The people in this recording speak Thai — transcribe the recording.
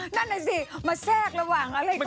นั่นน่ะสิมาแทรกระหว่างอะไรก็ไม่รู้